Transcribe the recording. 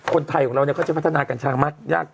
คนไทยของเราก็จะพัฒนากัญชามากยาก